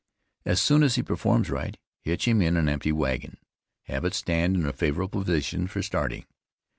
As soon as he performs right, hitch him in an empty wagon; have it stand in a favorable position for starting.